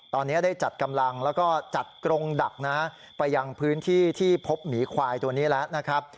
ตอนนี้ได้จัดกำลังแล้วก็จัดกรงดักนะไปยังพื้นที่ที่พบหมีควายตัวนี้แล้วนะครับ